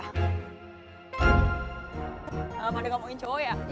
eh mana gak mau ngecoyak